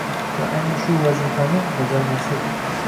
Va aynan shu vazifani bajarmaslik